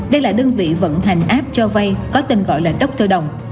đây là đơn vị vận hành app cho vây có tên gọi là dr đồng